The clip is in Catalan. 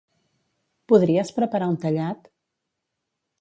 Podries preparar un tallat?